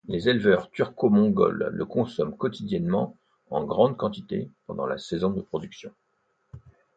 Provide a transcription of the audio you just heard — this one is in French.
Les éleveurs turco-mongoles le consomment quotidiennement, en grande quantité, pendant la saison de production.